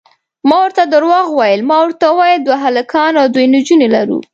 ما ورته درواغ وویل، ما ورته وویل دوه هلکان او دوې نجونې لرو.